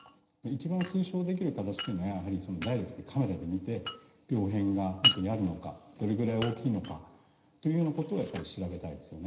一番推奨できる形というのはやはりダイレクトにカメラで見て病変が本当にあるのかどれぐらい大きいのかというようなことをやっぱり調べたいですよね。